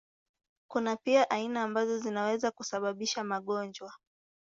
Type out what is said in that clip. Kuna pia aina ambazo zinaweza kusababisha magonjwa.